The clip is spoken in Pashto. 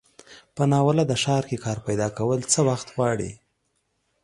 په ناولده ښار کې کار پیداکول څه وخت غواړي.